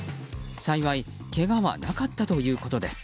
幸いけがはなかったということです。